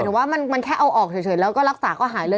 หรือว่ามันแค่เอาออกเฉยแล้วก็รักษาก็หายเลย